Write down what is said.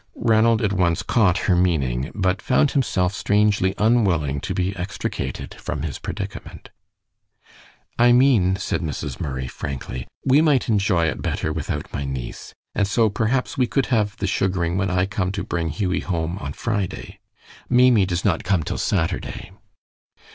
Ranald at once caught her meaning, but found himself strangely unwilling to be extricated from his predicament. "I mean," said Mrs. Murray, frankly, "we might enjoy it better without my niece; and so, perhaps, we could have the sugaring when I come to bring Hughie home on Friday. Maimie does not come till Saturday."